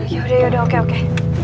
yaudah yaudah oke oke